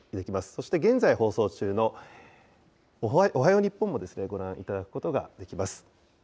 そして現在放送中のおはよう日本もご覧いただくことができます。